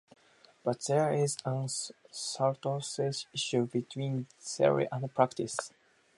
But there is an subtle issue between theory and practice.